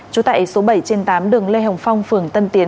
trú tại số bảy trên tám đường lê hồng phong phường tân tiến